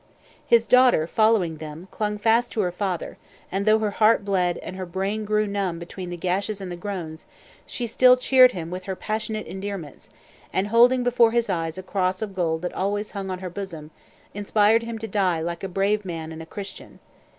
His daughter, following them, clung fast to her father, and, though her heart bled and her brain grew numb between the gashes and the groans, she still cheered him with her passionate endearments; and, holding before his eyes a cross of gold that always hung on her bosom, inspired him to die like a brave man and a Christian.